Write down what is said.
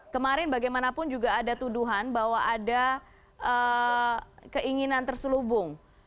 kemarin bagaimanapun juga ada tuduhan bahwa ada keinginan terselubung